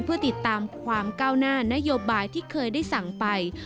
เพื่อติดตามความก้าวหน้านโยบายที่เคยได้สั่งไป